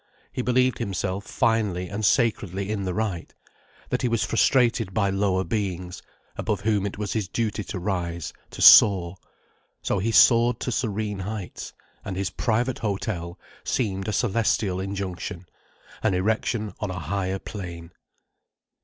He believed himself finely and sacredly in the right, that he was frustrated by lower beings, above whom it was his duty to rise, to soar. So he soared to serene heights, and his Private Hotel seemed a celestial injunction, an erection on a higher plane.